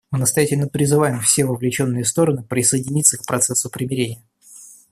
Мы настоятельно призываем все вовлеченные стороны присоединиться к процессу примирения.